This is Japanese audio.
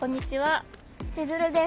チズルです。